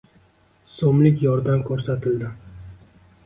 so'mlik yordam ko'rsatildi